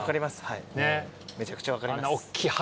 めちゃくちゃ分かります。